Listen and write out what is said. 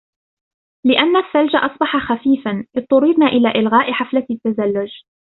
لأن الثلج أصبح خفيفا ، اضطررنا إلى إلغاء حفلة التزلج.